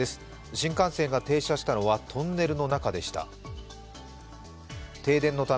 新幹線が停車したのはトンネルの中でした。